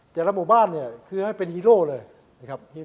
แต่ละหมู่บ้านเนี่ยคือให้เป็นฮีโร่เลยนะครับ